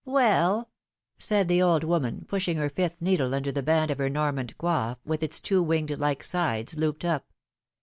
Well?^^ said the old woman, pushing her fifth needle under the band of her Normand coiffe^ with its two winged like sides looped up.